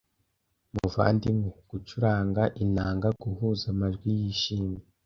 muvandimwe gucuranga inanga guhuza amajwi yishimye